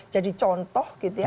jadi contoh gitu ya